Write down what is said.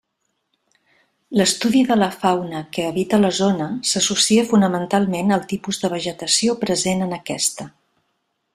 L'estudi de la fauna que habita la zona s'associa fonamentalment al tipus de vegetació present en aquesta.